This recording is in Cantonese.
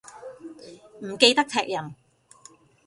唔記得踢人